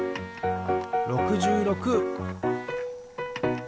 ６６。